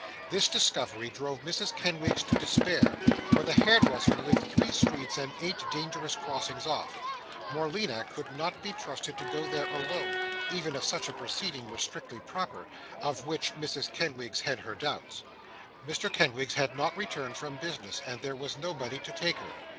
This discovery drove Mrs. Kenwigs to despair; for the hairdresser lived three streets and eight dangerous crossings off; Morleena could not be trusted to go there alone, even if such a proceeding were strictly proper: of which Mrs. Kenwigs had her doubts; Mr. Kenwigs had not returned from business; and there was nobody to take her.